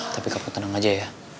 tapi kamu tenang aja ya